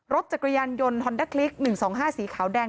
รถจักรยานยนต์ฮอนดาคลิกหนึ่งสองห้าสีขาวแดง